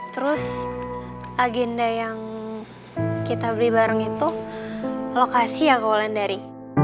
terus agenda yang kita beli bareng itu lokasi ya ke ulan dari